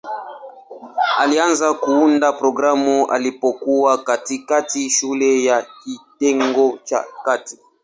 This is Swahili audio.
Alianza kuunda programu alipokuwa katikati shule ya kitengo cha kati.